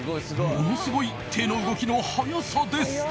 ものすごい手の動きの速さです。